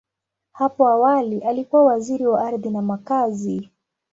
Hapo awali, alikuwa Waziri wa Ardhi na Makazi.